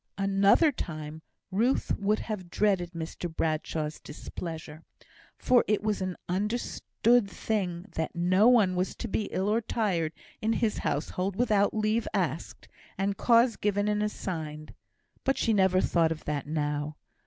Another time Ruth would have dreaded Mr Bradshaw's displeasure; for it was an understood thing that no one was to be ill or tired in his household without leave asked, and cause given and assigned. But she never thought of that now.